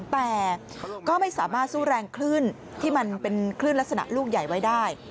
แต่ก็ไม่สามารถสู้แรงคลื่นที่มันเป็นคลื่นลักษณะลูกใหญ่ไว้ได้